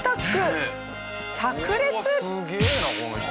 すげえなこの人。